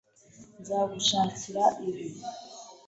Nzagushakira ibi.